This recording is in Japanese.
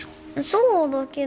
そうだけど。